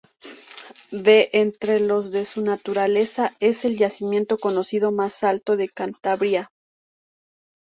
De entre los de su naturaleza, es el yacimiento conocido más alto de Cantabria.